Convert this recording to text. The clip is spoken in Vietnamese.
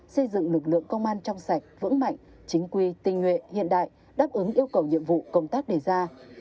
xây dựng lực lượng công an trong sạch vững mạnh chính quy tình nguyện hiện đại đáp ứng yêu cầu nhiệm vụ công tác đề ra